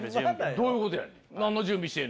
どういうことやねん。